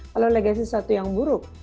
kalau legasi sesuatu yang buruk